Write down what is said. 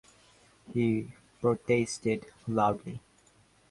He protested, loudly.